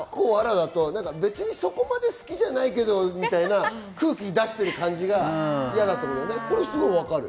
そこまで好きじゃないけどみたいな空気出してる感じが嫌だってことだよね。